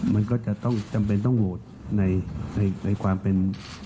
มันก็จะต้องจำเป็นต้องโหวตในความเป็น